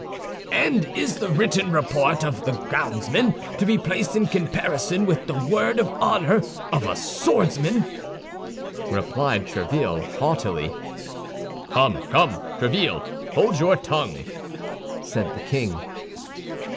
"And is the written report of the gownsmen to be placed in comparison with the word of honor of a swordsman?" replied Tréville haughtily. "Come, come, Tréville, hold your tongue," said the king.